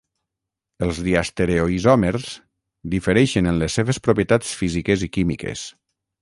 Els diastereoisòmers difereixen en les seves propietats físiques i químiques.